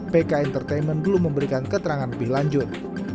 pk entertainment belum memberikan keterangan lebih lanjut